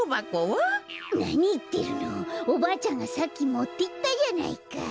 なにいってるのおばあちゃんがさっきもっていったじゃないか。